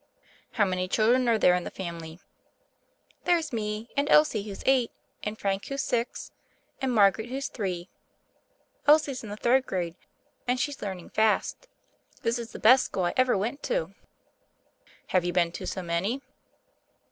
"How many children are there in the family?" "There's me, and Elsie, who's eight, and Frank, who's six, and Margaret, who's three. Elsie's in the third grade, and she's learning fast. This is the best school I ever went to." "Have you been to so many?"